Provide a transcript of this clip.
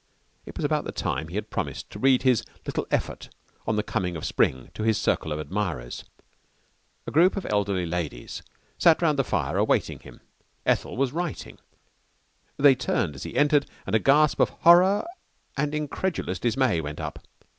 It was about the time he had promised to read his "little effort" on the Coming of Spring to his circle of admirers. A group of elderly ladies sat round the fire awaiting him. Ethel was writing. They turned as he entered and a gasp of horror and incredulous dismay went up.